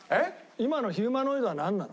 今のヒューマノイドはなんなの？